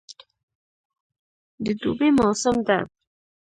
د دوبی موسم ده